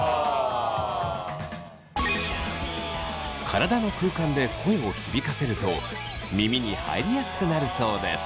体の空間で声を響かせると耳に入りやすくなるそうです。